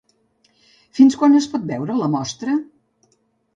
Fins quan es pot veure la mostra?